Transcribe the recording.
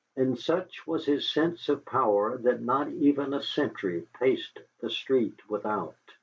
And such was his sense of power that not even a sentry paced the street without.